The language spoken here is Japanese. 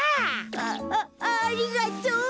ああありがとう！